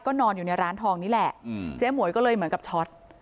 นอนอยู่ในร้านทองนี่แหละเจ๊หมวยก็เลยเหมือนกับช็อต